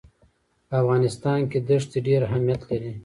په افغانستان کې ښتې ډېر اهمیت لري.